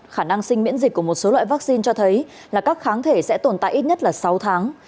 khả năng sinh miễn dịch của một số loại vaccine cho thấy là các kháng thể sẽ tồn tại ít nhất là sáu tháng